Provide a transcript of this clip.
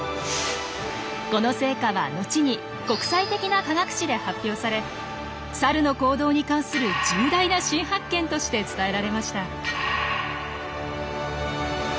この成果はのちに国際的な科学誌で発表されサルの行動に関する重大な新発見として伝えられました。